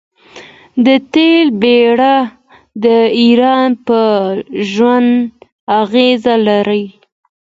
د تیلو بیه د ایران په ژوند اغیز لري.